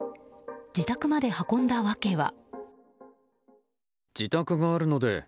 自宅まで運んだ訳は。